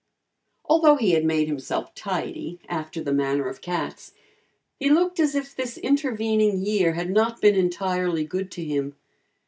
Although he had made himself tidy, after the manner of cats, he looked as if this intervening year had not been entirely good to him.